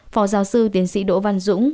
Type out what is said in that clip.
phó giáo sư tiến sĩ đỗ văn dũng